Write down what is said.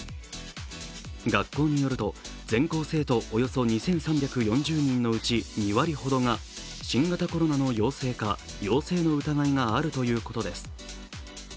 学校によると全校生徒およそ２３４０人のうち２割ほどが新型コロナの陽性か陽性の疑いがあるということです。